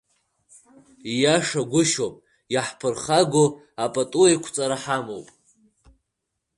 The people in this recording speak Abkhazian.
Иашагәышьоуп, иаҳԥырхагоу апатуеиқәҵара ҳамоуп.